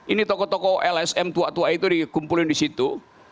ini tokoh tokoh lsm tua tua itu dikumpulin di situ